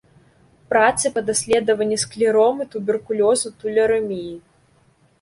Працы па даследаванні склеромы, туберкулёзу, тулярэміі.